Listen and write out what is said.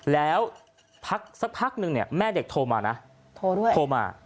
แล้วสักพักนึงเนี่ยแม่เด็กโทรมานะโทรด้วยโทรมา